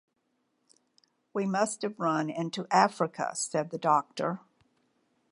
“We must have run into Africa,” said the Doctor.